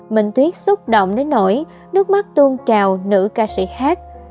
minh tuyết xúc động đến nổi nước mắt tuôn trào nữ ca sĩ hát